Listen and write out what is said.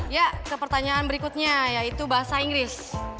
ya kepertanyaan berikutnya yaitu bahasa inggris